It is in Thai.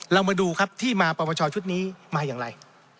เรามาดูครับที่มาปรปชชุดนี้มาอย่างไร